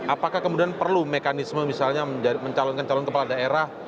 apakah kemudian perlu mekanisme misalnya mencalonkan calon kepala daerah